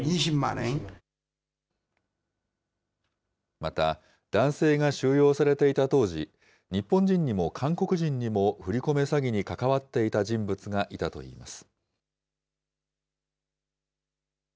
また、男性が収容されていた当時、日本人にも韓国人にも振り込め詐欺に関わっていた人物がいたといいます。